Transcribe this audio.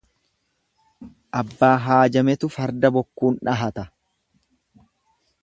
Abbaa haajametu farda bokkuun dhahata.